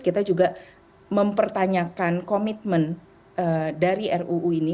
kita juga mempertanyakan komitmen dari ruu ini